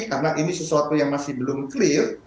karena ini sesuatu yang masih belum clear